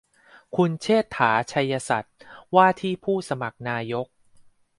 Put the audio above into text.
คุณเชษฐา ไชยสัตย์ ว่าที่ผู้สมัครนายก